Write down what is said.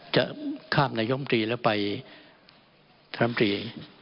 จะข้ามนายมตรีแล้วไปท่านลำตรี